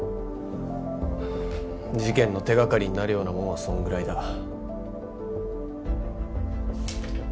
事件の手掛かりになるようなもんはそんぐらいだ。